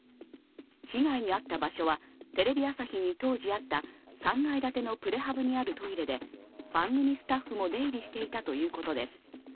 被害に遭った場所はテレビ朝日に当時あった３階建てのプレハブにあるトイレで番組スタッフも出入りしていたということです